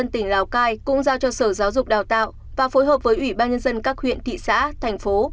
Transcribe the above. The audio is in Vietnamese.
tỉnh lào cai cũng giao cho sở giáo dục đào tạo và phối hợp với ủy ban nhân dân các huyện thị xã thành phố